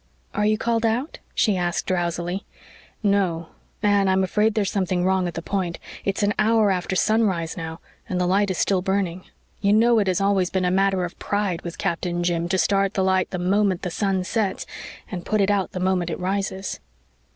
"Are you called out?" she asked drowsily. "No. Anne, I'm afraid there's something wrong at the Point. It's an hour after sunrise now, and the light is still burning. You know it has always been a matter of pride with Captain Jim to start the light the moment the sun sets, and put it out the moment it rises."